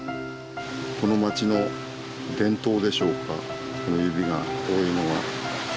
この町の伝統でしょうか指が多いのは。